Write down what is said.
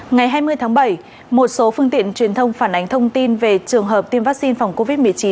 ngày hai mươi tháng bảy một số phương tiện truyền thông phản ánh thông tin về trường hợp tiêm vaccine phòng covid một mươi chín